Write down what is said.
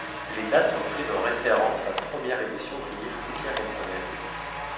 Les dates sont prises en référence à la première édition du livre guerre éternelle.